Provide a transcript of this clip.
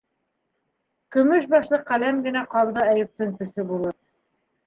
Көмөш башлы ҡәләм генә ҡалды Әйүптең төҫө булып.